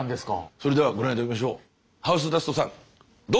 それではご覧頂きましょう。